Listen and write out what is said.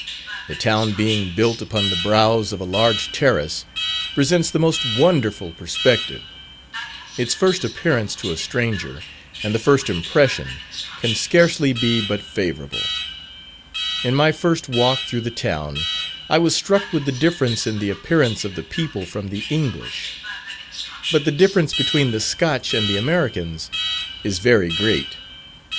The town being built upon the brows of a large terrace, presents the most wonderful perspective. Its first appearance to a stranger, and the first impression, can scarcely be but favourable. In my first walk through the town, I was struck with the difference in the appearance of the people from the English. But the difference between the Scotch and the Americans, is very great.